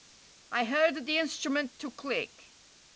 I heard the instrument to click.